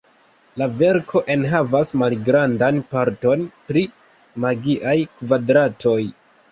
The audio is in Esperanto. La verko enhavas malgrandan parton pri magiaj kvadratoj.